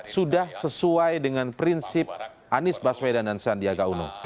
sudah sesuai dengan prinsip anies baswedan dan sandiaga uno